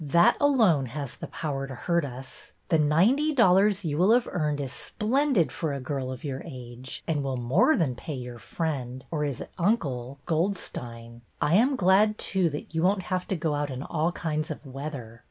That alone has the power to hurt us. The ninety dol lars you will have earned is splendid for a girl of your age, and will more than pay your friend — or is it ' uncle '?— Goldstein. I am glad, too, that you won't have to go out in all kinds of weather."